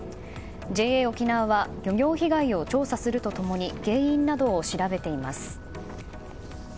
ＪＡおきなわは漁業被害を調査すると共に原因などを調べています。